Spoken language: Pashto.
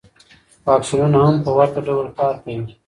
واکسینونه هم په ورته ډول کار کوي.